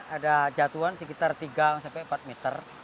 ada jatuhan sekitar tiga sampai empat meter